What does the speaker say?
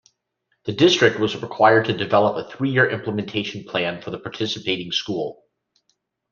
The district was required to develop a three-year implementation plan for the participating school.